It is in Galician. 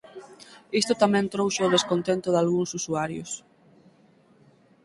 Isto tamén trouxo o descontento dalgúns usuarios.